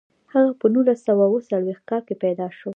هغه په نولس سوه اووه څلویښت کال کې پیدا شو.